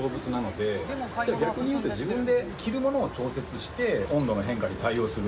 でも逆に言うと自分で着るものを調節して温度の変化に対応する。